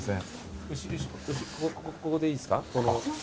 ここでいいですか？